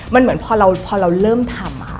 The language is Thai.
มันเหมือนพอเราเริ่มทำ